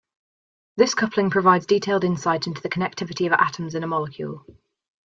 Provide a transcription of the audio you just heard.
This coupling provides detailed insight into the connectivity of atoms in a molecule.